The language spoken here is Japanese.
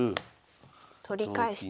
取り返して。